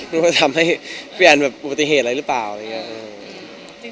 นึกว่าทำให้พี่แอนแบบปฏิเหตุอะไรหรือเปล่าอะไรอย่างเงี้ย